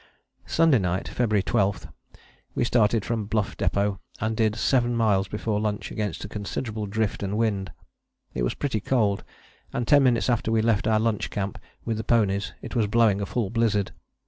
Sunday night (February 12) we started from Bluff Depôt and did seven miles before lunch against a considerable drift and wind. It was pretty cold, and ten minutes after we left our lunch camp with the ponies it was blowing a full blizzard.